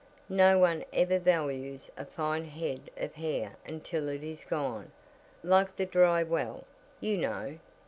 No one ever values a fine head of hair until it is gone like the dry well, you know.